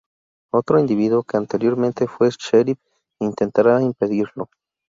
Otro individuo que anteriormente fue sheriff, intentará impedirlo.